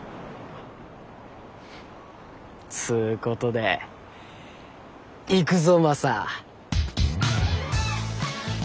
つうことで行くぞマサ。